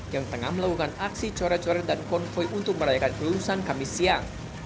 yang tengah melakukan aksi coret coret dan konvoy untuk merayakan kelulusan kami siang